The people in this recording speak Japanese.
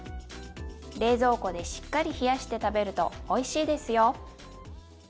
冷蔵庫でしっかり冷やして食べるとおいしいですよ。